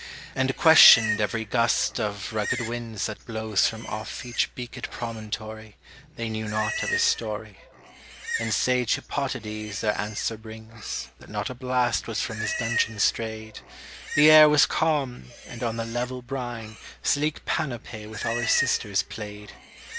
And questioned every gust of rugged winds That blows from off each beakèd promontory; They knew not of his story; And sage Hippotades their answer brings, That not a blast was from his dungeon strayed; The air was calm, and on the level brine Sleek Panopè with all her sisters played.